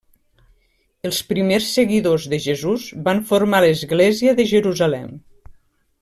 Els primers seguidors de Jesús van formar l'Església de Jerusalem.